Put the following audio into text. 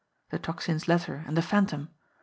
. the Tocsin's letter and the Phantom .